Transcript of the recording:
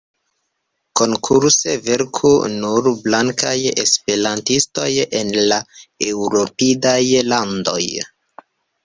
Konkurse verku nur blankaj esperantistoj el la eŭropidaj landoj.